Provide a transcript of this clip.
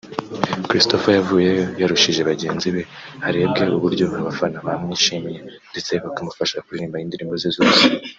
Christopher yavuyeyo yarushije bagenzi be harebwe uburyo abafana bamwishimiye ndetse bakamufasha kuririmba indirimbo ze zose